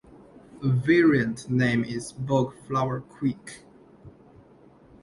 A variant name is "Bogue Flower Creek".